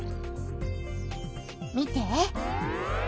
見て。